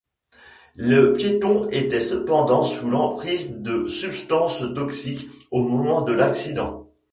Le piéton était cependant sous l'emprise de substances toxiques au moment de l'accident.